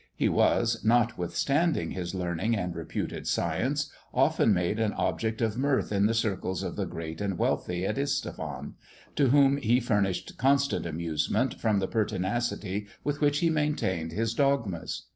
He was, notwithstanding his learning and reputed science, often made an object of mirth in the circles of the great and wealthy at Isfahan, to whom he furnished constant amusement, from the pertinacity with which he maintained his dogmas.